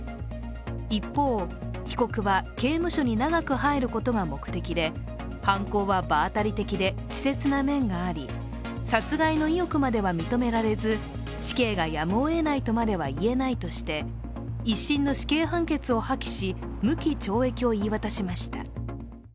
一方、被告は刑務所に長く入ることが目的で犯行は場当たり的で稚拙な面があり、殺害の意欲までは認められず、死刑がやむをえないまではいえないとして１審の死刑判決を破棄し無期懲役を言い渡しました。